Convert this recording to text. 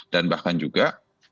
dan bahkan juga